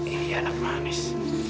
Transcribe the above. ini ayah anak manis